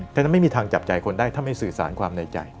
ฉะนั้นไม่มีทางจับใจคนได้ถ้าไม่สื่อสารความในใจ